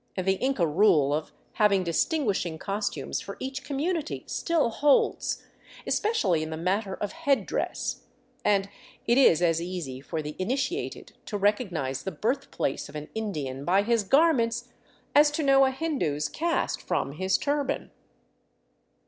The Inca rule of having dis tinguishing costumes for each community still holds, especially in the matter of head dress, and it is as easy for the initiated to recognize the birthplace of an Indian by his garments as to know a Hindu's caste from his turban.